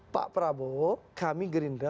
pak prabowo kami gerindra